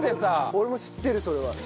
俺も知ってるそれは。